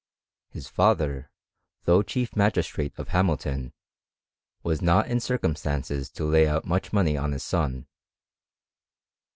His father, though chief magistrate of Hamilton, was not in circumstances to lay out much money on his son.